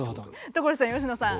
所さん佳乃さん。